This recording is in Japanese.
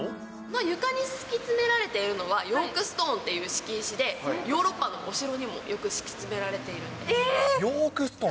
床に敷き詰められているのは、ヨークストーンという敷石で、ヨーロッパのお城にもよく敷き詰ヨークストーン？